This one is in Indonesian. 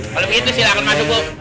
kalau begitu silahkan masuk bu